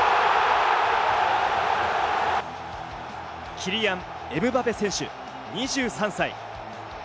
キリアン・エムバペ選手、２３歳。